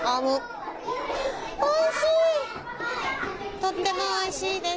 とってもおいしいです。